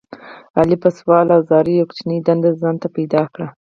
علي په سوال او زاریو یوه کوچنۍ دنده ځان ته پیدا کړله.